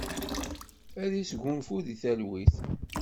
Ad isgunfu di talwit.